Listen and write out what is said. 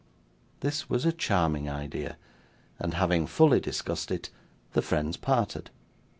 This was a charming idea, and having fully discussed it, the friends parted.